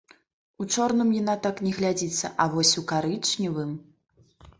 У чорным яна так не глядзіцца, а вось у карычневым!